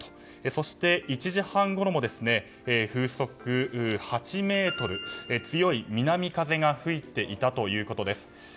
そして、１時半ごろも風速８メートルで強い南風が吹いていたということです。